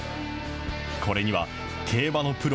これには競馬のプロ